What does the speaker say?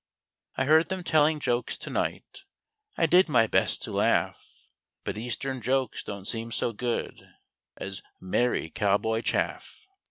I heard them telling jokes to night; I did my best to laugh; But Eastern jokes don't seem so good As merry cow boy " chaff."